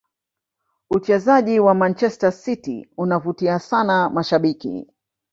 uchezaji wa manchester city unavutia sana mashabiki